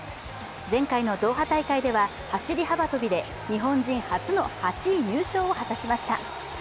前回のドーハ大会では走り幅跳びで日本人初めての８位入賞を果たしました。